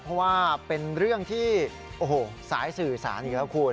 เพราะว่าเป็นเรื่องที่โอ้โหสายสื่อสารอีกแล้วคุณ